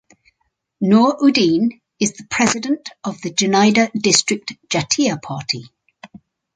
Noor Uddin is the president of Jhenaidah District Jatiya Party.